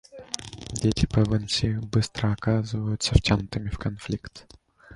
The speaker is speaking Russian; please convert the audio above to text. Дети Пэвенси быстро оказываются втянутыми в конфликт.